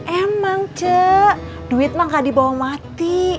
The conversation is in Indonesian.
emang cek duit mah gak dibawa mati